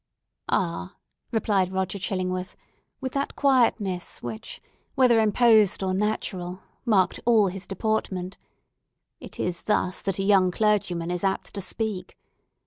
"Ah," replied Roger Chillingworth, with that quietness, which, whether imposed or natural, marked all his deportment, "it is thus that a young clergyman is apt to speak.